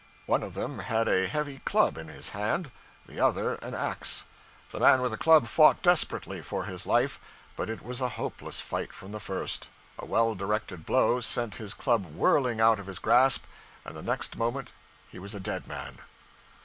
One of them had a heavy club in his hand, the other an ax. The man with the club fought desperately for his life, but it was a hopeless fight from the first. A well directed blow sent his club whirling out of his grasp, and the next moment he was a dead man.